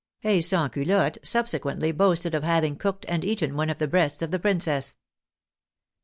A Sansculotte subsequently boasted of having cooked and eaten one of the breasts of the princess.